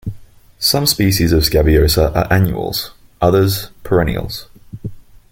Some species of "Scabiosa" are annuals, others perennials.